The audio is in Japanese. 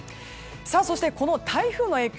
そして、この台風の影響